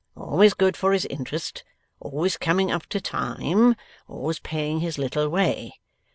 Always good for his interest, always coming up to time, always paying his little way.